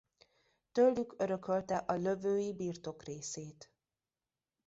Tőlük örökölte a lövői birtokrészét.